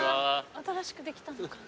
新しくできたのかな？